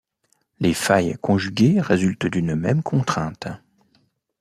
Les failles conjuguées résultent d’une même contrainte.